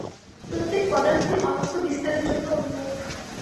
প্রত্যেক পদার্থই অনন্ত বিস্তারের জন্য উন্মুখ।